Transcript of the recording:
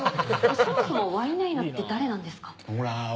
そもそもワイナイナって誰なんですか？